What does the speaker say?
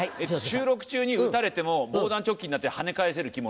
収録中に撃たれても防弾チョッキになってはね返せる着物。